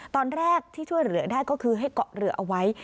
ตอนแรกที่ช่วยเหลือได้ก็คือให้เกาะเรือเอาไว้